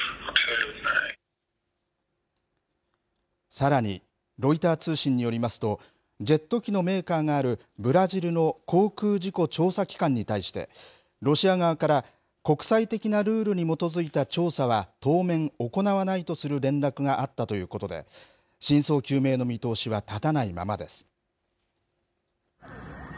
さらに、ロイター通信によりますと、ジェット機のメーカーがあるブラジルの航空事故調査機関に対して、ロシア側から国際的なルールに基づいた調査は当面行わないとする連絡があったということで、真相究明の見通しは立たないままです。